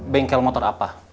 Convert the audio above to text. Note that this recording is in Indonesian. bengkel motor apa